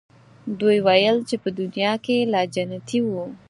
دوی ویل چې په دنیا کې لا جنتیی وو.